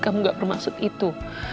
kamu gak bermaksud itu